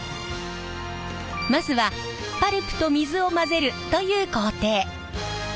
まずはパルプと水を混ぜるという工程。